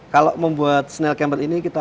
kalau membuat snail camper ini kita